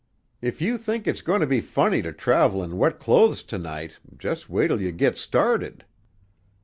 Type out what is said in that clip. "If you think it's goin' to be funny to travel in wet clothes to night, just wait till you git started."